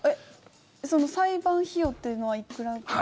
裁判費用っていうのはいくらぐらい。